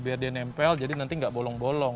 biar dia nempel jadi nanti nggak bolong bolong